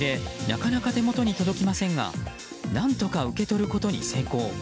なかなか手元に届きませんが何とか受け取ることに成功。